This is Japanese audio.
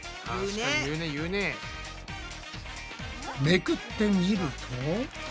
めくってみると。